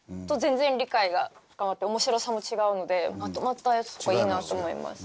全然理解が深まって面白さも違うのでまとまったやつとかいいなと思います。